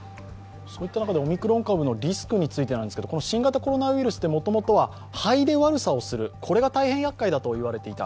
オミクロン株のリスクについてなんですけど、新型コロナウイルスってもともとは肺で悪さをするのが大変やっかいだと言われていた。